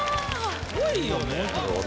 すごいよね。